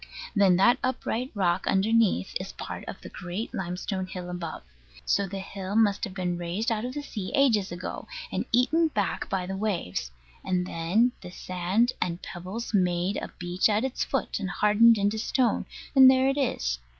Then that upright rock underneath is part of the great limestone hill above. So the hill must have been raised out of the sea, ages ago, and eaten back by the waves; and then the sand and pebbles made a beach at its foot, and hardened into stone; and there it is.